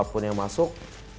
apapun yang masuk